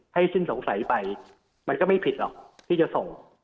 สิ้นสงสัยไปมันก็ไม่ผิดหรอกที่จะส่ง